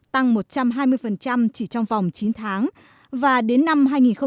tăng một trăm hai mươi chỉ trong vòng chín tháng và đến năm hai nghìn một mươi tám